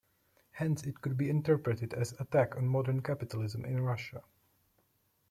Hence it could be interpreted as attack on modern capitalism in Russia.